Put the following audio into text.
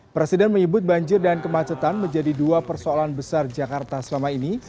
presiden menyebut banjir dan kemacetan menjadi dua persoalan besar jakarta selama ini